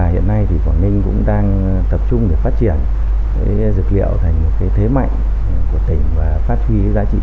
hiện nay quảng ninh cũng đang tập trung để phát triển dược liệu thành một thế mạnh của tỉnh và phát huy giá trị kinh tế